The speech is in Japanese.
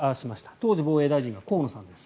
当時の防衛大臣は河野さんです。